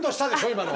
今の。